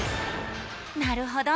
なるほど。